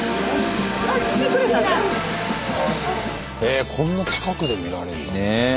へえこんな近くで見られんだ。